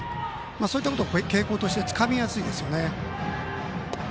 そういったことも傾向としてつかみやすいですね。